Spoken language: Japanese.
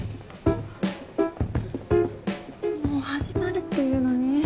もう始まるっていうのに。